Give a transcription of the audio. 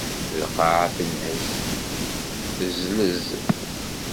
Lqaɛa tenhez, tezlez.